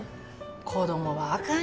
子供はあかんよな。